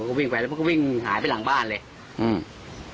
พวกเขาวิ่งไปแล้วพวกเขาวิ่งหายไปหลังบ้านเลยอืม